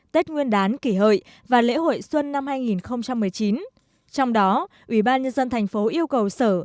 tết nguyên đán kỷ hợi và lễ hội xuân năm hai nghìn một mươi chín trong đó ủy ban nhân dân thành phố yêu cầu sở